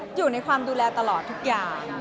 อยู่ในความดูแลตลอดทุกอย่าง